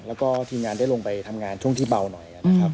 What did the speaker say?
แล้วก็ทีมงานได้ลงไปทำงานช่วงที่เบาหน่อยนะครับ